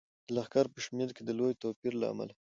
د لښکر په شمیر کې د لوی توپیر له امله.